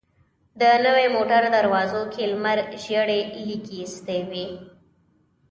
د نوې موټر دروازو کې لمر ژېړې ليکې ايستې وې.